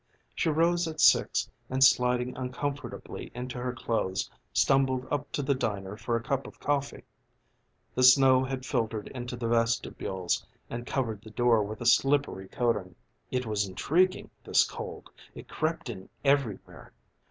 She rose at six and sliding uncomfortably into her clothes stumbled up to the diner for a cup of coffee. The snow had filtered into the vestibules and covered the door with a slippery coating. It was intriguing this cold, it crept in everywhere.